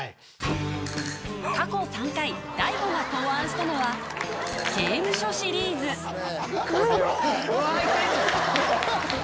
過去３回大悟が考案したのは刑務所シリーズうわいったいった！